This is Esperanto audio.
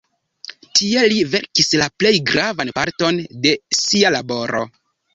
Tie li verkis la plej gravan parton de sia laboro.